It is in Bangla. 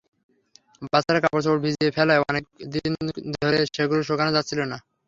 বাচ্চারা কাপড়চোপড় ভিজিয়ে ফেলায় কয়েক দিন ধরে সেগুলো শুকানো যাচ্ছিল না।